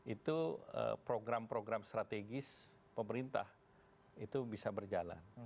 itu program program strategis pemerintah itu bisa berjalan